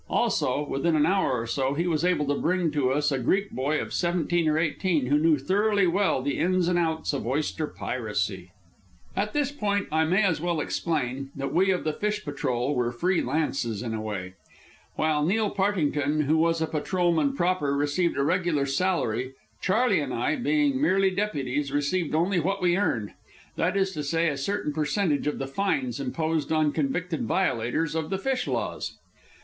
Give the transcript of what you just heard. Also, within an hour or so, he was able to bring to us a Greek boy of seventeen or eighteen who knew thoroughly well the ins and outs of oyster piracy. At this point I may as well explain that we of the fish patrol were free lances in a way. While Neil Partington, who was a patrolman proper, received a regular salary, Charley and I, being merely deputies, received only what we earned that is to say, a certain percentage of the fines imposed on convicted violators of the fish laws.